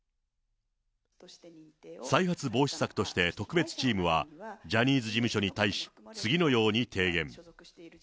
再発防止策として特別チームは、ジャニーズ事務所に対し、次のように提言。